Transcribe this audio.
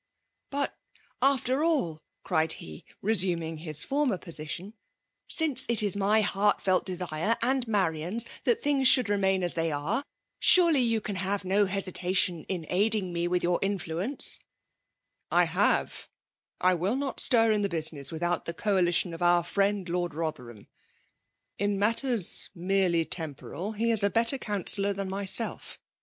^'* But after all, cried he, resuming his former position, '' nnee it is my heavt&k desire and Marian's, that things should remain as they are, surdy yon 0991 have no hesitation in aiding me with your influence V* " I have ;— I will not stir in the business withr out the coalition c^our friend Lord Botherham. In matters merely temporal, he is a better counsellor than myself.